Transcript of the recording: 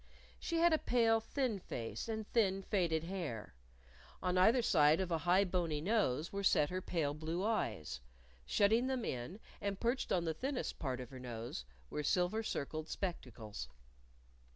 She had a pale, thin face and thin faded hair. On either side of a high bony nose were set her pale blue eyes. Shutting them in, and perched on the thinnest part of her nose, were silver circled spectacles.